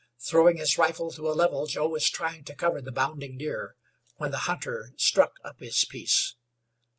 Throwing his rifle to a level, Joe was trying to cover the bounding deer, when the hunter struck up his piece.